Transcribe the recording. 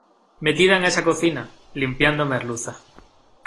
metida en esa cocina, limpiando merluza.